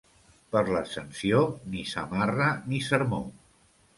Per l'Ascensió, ni samarra ni sermó.